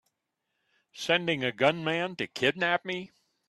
Sending a gunman to kidnap me!